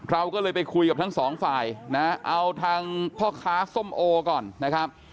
เราก็เลยไปคุยกับทั้งสองฝ่ายนะเอาทางพ่อค้าส้มโอก่อนนะครับ